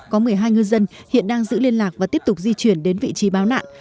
có một mươi hai ngư dân hiện đang giữ liên lạc và tiếp tục di chuyển đến vị trí báo nạn